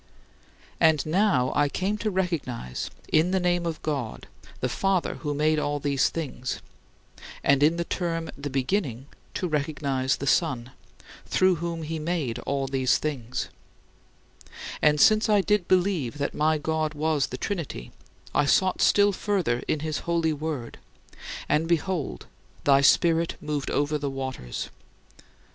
And now I came to recognize, in the name of God, the Father who made all these things, and in the term "the Beginning" to recognize the Son, through whom he made all these things; and since I did believe that my God was the Trinity, I sought still further in his holy Word, and, behold, "Thy Spirit moved over the waters."